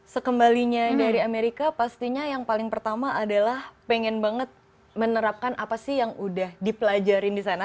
sekembalinya dari amerika pastinya yang paling pertama adalah pengen banget menerapkan apa sih yang udah dipelajarin di sana